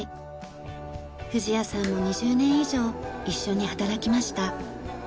藤谷さんも２０年以上一緒に働きました。